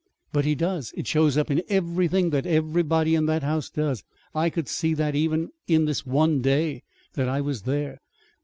"But he does. It shows up in everything that everybody in that house does. I could see that, even in this one day I was there.